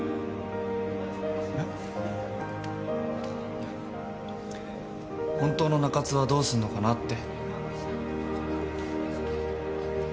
いや本当の中津はどうすんのかなって。